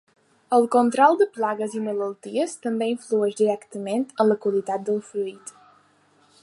El control de plagues i malalties també influeix directament en la qualitat del fruit.